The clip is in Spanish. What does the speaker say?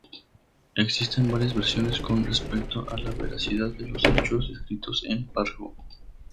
Existen varias versiones con respecto a la veracidad de los hechos descritos en "Fargo".